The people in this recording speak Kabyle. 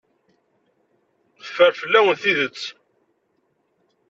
Teffer fell-awen tidet.